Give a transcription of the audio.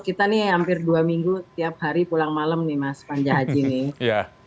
kita ini hampir dua minggu tiap hari pulang malam mas panja haji